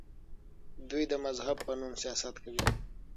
دوی د مذهب په نوم سیاست کوي.